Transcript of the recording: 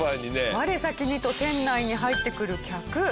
我先にと店内に入ってくる客。